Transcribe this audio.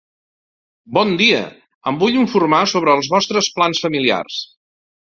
Bon dia, em vull informar sobre els vostres plans familiars.